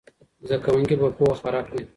زده کوونکي به پوهه خپره کړي.